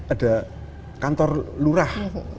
ada kantor lurah